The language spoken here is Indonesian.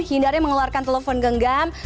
hindarnya mengeluarkan telepon genggam